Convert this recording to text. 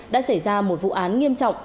đã xảy ra một vụ án nghiêm trọng